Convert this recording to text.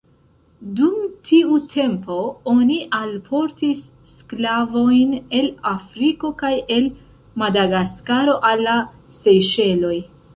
Dum tiu tempo, oni alportis sklavojn el Afriko kaj el Madagaskaro al la Sejŝeloj.